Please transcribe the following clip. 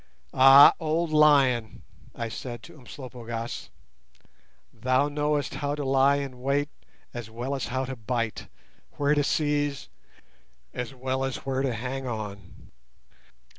"Ah, old lion!" I said to Umslopogaas, "thou knowest how to lie in wait as well as how to bite, where to seize as well as where to hang on."